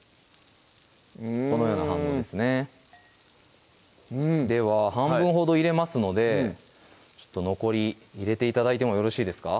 このような反応ですねでは半分ほど入れますので残り入れて頂いてもよろしいですか？